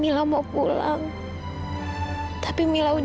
masih kebetulan kau sadar di depan vera broto